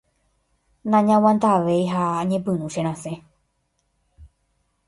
nañaguantavéi ha añepyrũ cherasẽ.